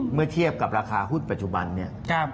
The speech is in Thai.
เมื่อเทียบกับราคาหุ้นปัจจุบันเนี่ย